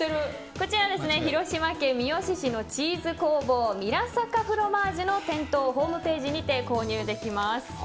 こちら広島県三次市のチーズ工房三良坂フロマージュの店頭、ホームページにて購入できます。